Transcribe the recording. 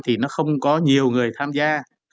thì nó không có nhiều người tham gia